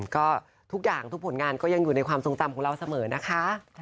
ก็ทุกอย่างทุกผลงานก็ยังอยู่ในความทรงจำของเราเสมอนะคะ